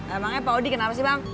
emangnya pak odi kenapa sih bang